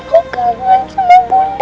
aku kaget sama bunda